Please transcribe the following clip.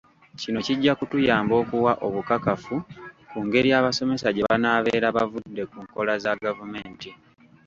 Kino kijja kutuyamba okuwa obukakafu ku ngeri abasomesa gye banaabeera bavudde ku nkola za gavumenti.